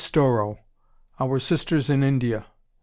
Storrow, "Our Sisters in India."